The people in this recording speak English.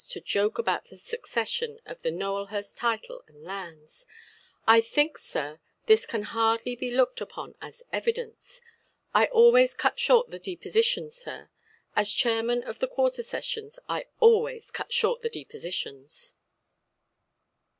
to joke about the succession to the Nowelhurst title and lands!—"I think, sir, this can hardly be looked upon as evidence. I always cut short the depositions, sir. As Chairman of the Quarter Sessions, I always cut short the depositions".